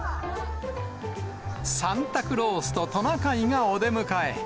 サンタクロースとトナカイがお出迎え。